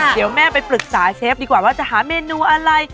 เดี๋ยวแม่ไปปรึกษาเชฟดีกว่าว่าจะหาเมนูอะไร